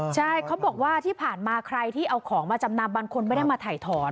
ใช่เขาบอกว่าที่ผ่านมาใครที่เอาของมาจำนำบางคนไม่ได้มาถ่ายถอน